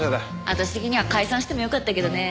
私的には解散してもよかったけどね。